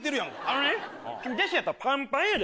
あのね君弟子やったらパンパンやで！